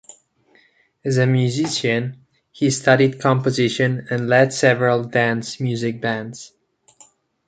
As a musician, he studied composition and led several dance music bands.